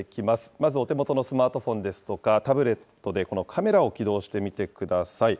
まずお手元のスマートフォンですとかタブレットでカメラを起動してみてください。